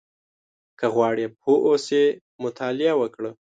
• که غواړې پوه اوسې، مطالعه وکړه.